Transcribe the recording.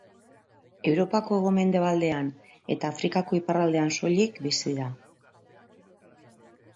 Europako hego-mendebaldean eta Afrikako iparraldean soilik bizi da.